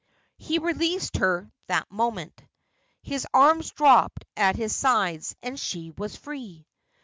He released her that moment. His arms dropped at his sides, and she was free.